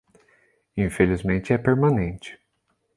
Infelizmente é permanente.